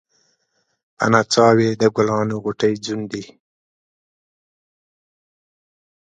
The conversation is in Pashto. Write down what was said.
په نڅا وې د ګلانو غوټۍ ځونډي